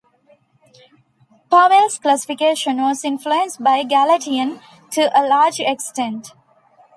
Powell's classification was influenced by Gallatin to a large extent.